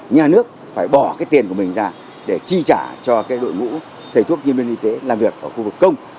nhà nước phải bỏ cái tiền của mình ra để chi trả cho cái đội ngũ thầy thuốc nhân viên y tế làm việc ở khu vực công